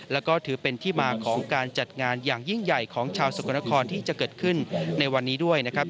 แล้วก็ถือเป็นที่มาของการจัดงานอย่างยิ่งใหญ่ของชาวสกลนครที่จะเกิดขึ้นในวันนี้ด้วยนะครับ